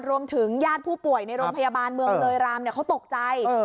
รวมถึงญาติผู้ป่วยในรมพยาบาลเมืองเรยรามเนี้ยเขาตกใจเออ